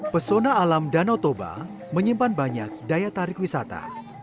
pesona alam danau toba menyimpan banyak daya tarik wisata